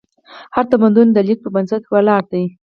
هر تمدن د لیک په بنسټ ولاړ دی.